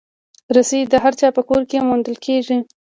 رسۍ د هر چا په کور کې موندل کېږي.